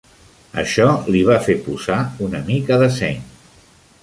Això li va fer posar una mica de seny.